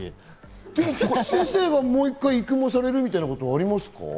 でも菊地先生がもう一回育毛されるみたいなことはありますか？